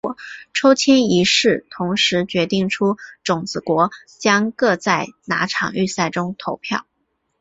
抽签仪式同时决定出种子国将各在哪场预赛中投票。